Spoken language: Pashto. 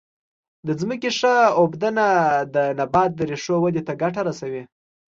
د ځمکې ښه اوبدنه د نبات د ریښو ودې ته ګټه رسوي.